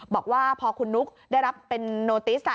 บอกว่าพอคุณนุกได้รับเป็นนวรรณ์ทริสค่ะ